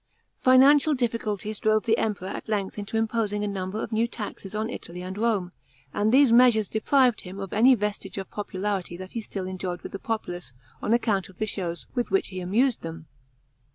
§ 13. Financial difficulties drove the Emperor at length into imposing a number of new taxes on Italy and Rome, and these measures deprived him of any vestige of popularity that he still enjoyed with the populace on account of the shows with which he amus' d them.